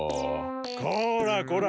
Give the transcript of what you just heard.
こらこら！